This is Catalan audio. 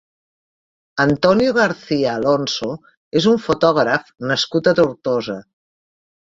Antonio García Alonso és un fotògraf nascut a Tortosa.